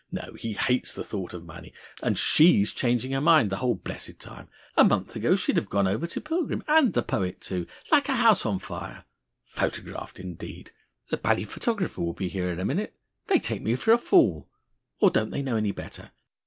No, he 'hates the thought of money.' And she's changing her mind the whole blessed time! A month ago she'd have gone over to Pilgrim, and the poet too, like a house a fire! ... Photographed indeed! The bally photographer will be here in a minute! ... They take me for a fool! ... Or don't they know any better?